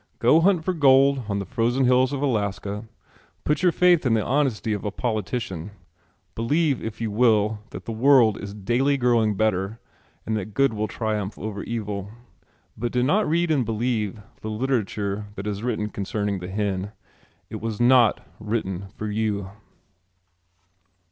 Go hunt for gold on the frozen hills of Alaska, put your faith in the honesty of a politician, believe if you will that the world is daily growing better and that good will triumph over evil, but do not read and believe the literature that is written concerning the hen. It was not written for you.